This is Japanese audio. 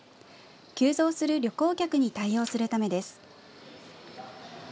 急増する旅行客に対応するためです。